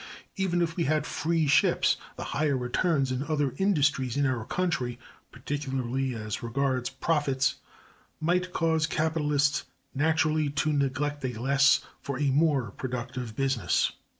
Even if we had "free ships," the higher returns in other industries in our country, particularly as regards profits, might cause capitalists naturally to neglect a less for a more productive business.